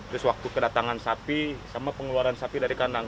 terus waktu kedatangan sapi sama pengeluaran sapi dari kandang